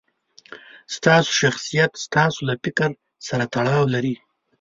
ستاسو شخصیت ستاسو له فکر سره تړاو لري.